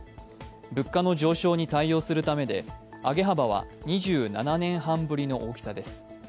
物価の上昇に対応するためで、上げ幅は２７年半ぶりの大きさです。